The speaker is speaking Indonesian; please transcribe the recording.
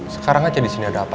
sekarang aja disini ada apa